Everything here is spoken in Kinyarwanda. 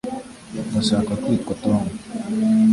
ndashaka kwitwa tom